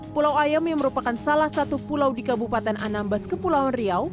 pulau ayam yang merupakan salah satu pulau di kabupaten anambas kepulauan riau